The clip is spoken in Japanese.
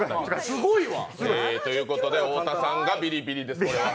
すごいわ。ということで太田さんがビリビリです、これは。